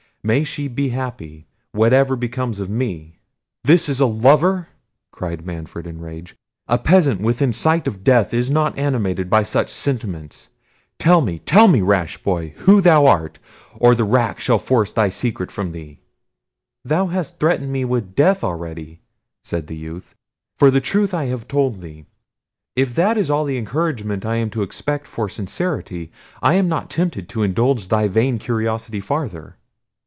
May she be happy, whatever becomes of me!" "This is a lover!" cried Manfred in a rage: "a peasant within sight of death is not animated by such sentiments. Tell me, tell me, rash boy, who thou art, or the rack shall force thy secret from thee." "Thou hast threatened me with death already," said the youth, "for the truth I have told thee: if that is all the encouragement I am to expect for sincerity, I am not tempted to indulge thy vain curiosity farther."